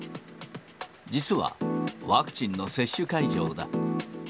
実は、ワクチンの接種会場だ。